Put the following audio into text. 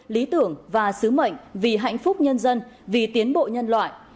lý tưởng và sứ mệnh vì hạnh phúc nhân dân vì tiến bộ nhân loại